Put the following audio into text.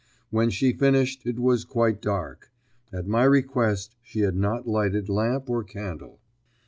When she finished it was quite dark; at my request she had not lighted lamp or candle.